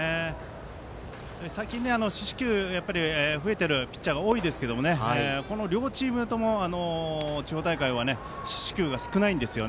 最近、四死球増えているピッチャーが多いですけどこの両チームとも、地方大会は四死球が少ないんです。